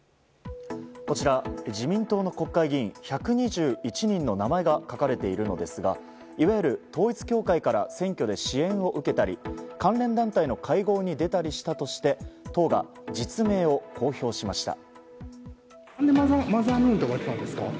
こちら、自民党の国会議員１２１人の名前が書かれているのですがいわゆる統一教会から選挙で支援を受けたり関連団体の会合に出たりしたとして党が実名を公表しました。